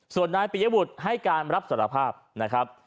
ส่วนนายปิยบุตรให้การรับสารภาพนะครับ